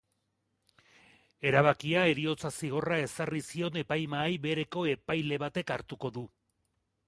Erabakia heriotza-zigorra ezarri zion epaimahai bereko epaile batek hartuko du.